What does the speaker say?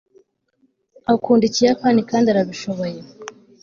akunda ikiyapani, kandi arabishoboye